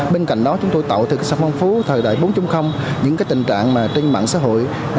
bên cạnh đó chúng tôi tạo thực sản phẩm phố thời đại bốn những cái tình trạng mà trên mạng xã hội